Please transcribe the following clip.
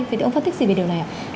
vậy thì ông phân tích gì về điều này ạ